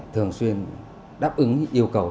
thường xuyên đáp ứng yêu cầu